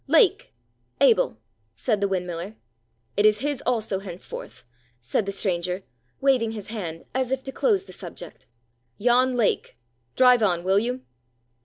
"Lake—Abel," said the windmiller. "It is his also, henceforth," said the stranger, waving his hand, as if to close the subject,—"Jan Lake. Drive on, will you?"